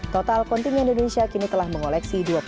total kontingen indonesia kini telah mengoleksi